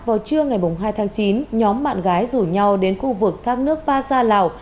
vào trưa ngày hai tháng chín nhóm bạn gái rủ nhau đến khu vực thác nước ba sa lào